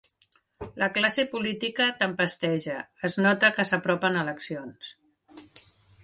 La classe política tempesteja: es nota que s'apropen eleccions.